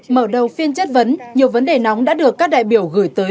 mở đầu phiên chất vấn nhiều vấn đề nóng đã được các đại biểu gửi tới